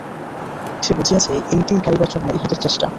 সে বুঝিয়াছে এইটিই কাড়িবার জন্য ইহাদের চেষ্টা!